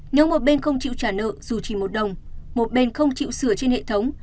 nếu một bên không chịu trả nợ dù chỉ một đồng một bên không chịu sửa trên hệ thống